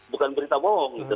bukan berita bohong gitu